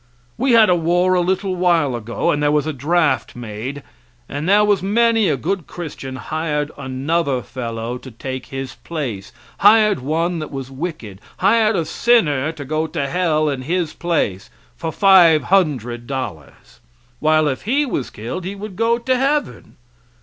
We had a war a little while ago and there was a draft made, and there was many a good Christian hired another fellow to take his place, hired one that was wicked, hired a sinner to go to hell in his place for five hundred dollars! While if he was killed he would go to heaven.